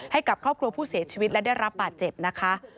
ให้กับครอบครัวผู้เสียชีวิตและได้รับบาดเจ็บนะคะ